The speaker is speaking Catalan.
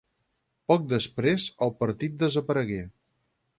Poc després, el partit desaparegué.